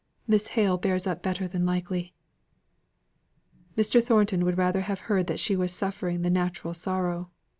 Miss Hale bears up better than likely." Mr. Thornton would rather have heard that she was suffering the natural sorrow.